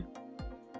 bộ y tế nhấn mạnh